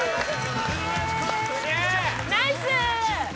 ナイス！